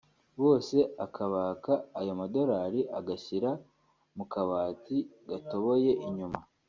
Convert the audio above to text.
bose akabaka ayo madolari agashyira mu kabati gatoboye inyuma